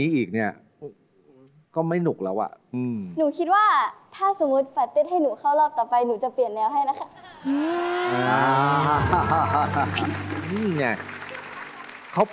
พี่กุฎครับ